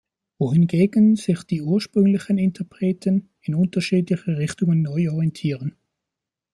Wohingegen sich die ursprünglichen Interpreten in unterschiedliche Richtungen neu orientieren.